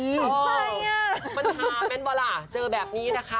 มันพาแม่นบอลล่ะเจอแบบนี้นะคะ